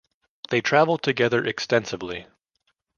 They travelled together extensively.